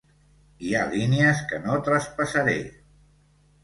Hi ha línies que no traspassaré.